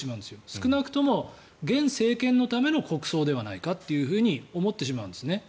少なくとも現政権のための国葬ではないかと思ってしまうんですね。